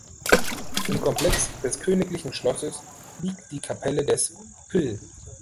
Im Komplex des Königlichen Schlosses liegt die Kapelle des Hl.